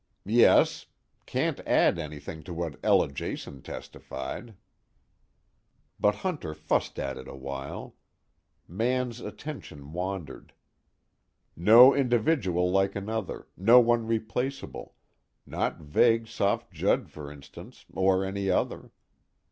"Yes. Can't add anything to what Ella Jason testified." But Hunter fussed at it a while. Mann's attention wandered. No individual like another, no one replaceable, not vague soft Judd for instance or any other.